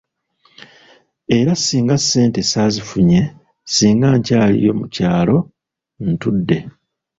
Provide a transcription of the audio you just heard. Era singa ssente saazifunye singa nkyaliyo mu kyalo ntudde.